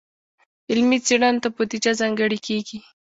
علمي څیړنو ته بودیجه ځانګړې کیږي.